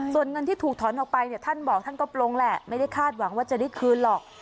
ส่วนเงินที่ถูกถอนออกไปเนี่ยท่านบอกท่านก็ปลงแหละไม่ได้คาดหวังว่าจะได้คืนหรอก